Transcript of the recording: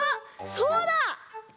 そうだ！